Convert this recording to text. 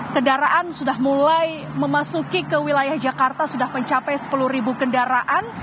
kendaraan sudah mulai memasuki ke wilayah jakarta sudah mencapai sepuluh ribu kendaraan